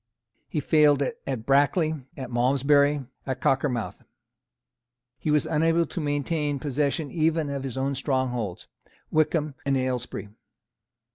He failed at Brackley, at Malmesbury and at Cockermouth. He was unable to maintain possession even of his own strongholds, Wycombe and Aylesbury.